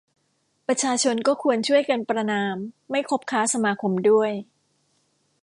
ประชาชนก็ควรช่วยกันประณาม ไม่คบค้าสมาคมด้วย